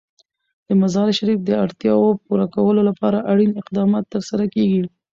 د مزارشریف د اړتیاوو پوره کولو لپاره اړین اقدامات ترسره کېږي.